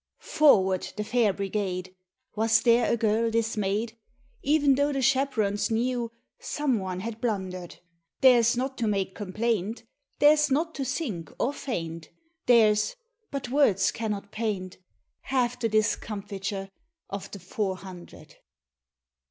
Forward, the Fair Brigade ! Was there a girl dismayed ? E'en though the chaperons knew Some one had blundered. Theirs not to make complaint. Theirs not to sink or faint, Theirs— but words cannot paint Half the discomfiture Of the Four Hundred.